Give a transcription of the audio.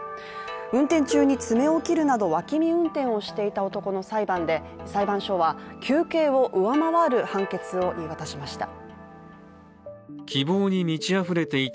運転中に爪を切るなど脇見運転をしていた男の裁判で裁判所は求刑を上回る判決を言い渡しました。